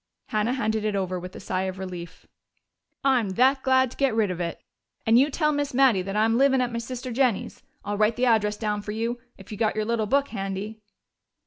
Hannah handed it over with a sigh of relief. "I'm that glad to get rid of it! And you tell Miss Mattie that I'm livin' at my sister Jennie's. I'll write the address down for you, if you've got your little book handy."